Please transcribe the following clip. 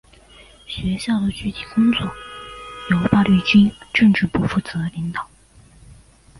学校的具体工作由八路军政治部负责领导。